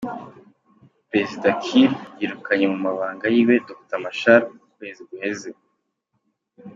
Prezida Kiir yirukanye mu mabanga yiwe Dr Machar mu kwezi guheze.